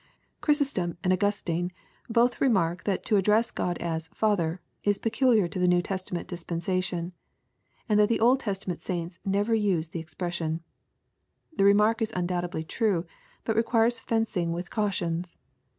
] Chrysostom and Augustine both remark, that to address God as " Father," is peculiar to the New Testament disoensation, and that the Old Testament saints never use tlio expression. — The remark is undoubtedly true, but requires fencing with cautions.